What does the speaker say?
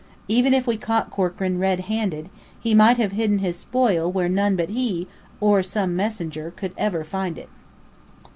Even if we caught Corkran red handed, he might have hidden his spoil where none but he, or some messenger, could ever find it.